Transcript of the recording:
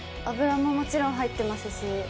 油ももちろん入ってますし。